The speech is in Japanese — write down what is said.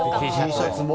Ｔシャツも？